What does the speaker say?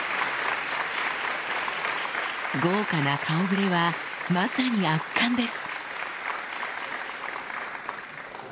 豪華な顔ぶれはまさに圧巻です